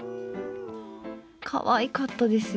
かわいかったですよ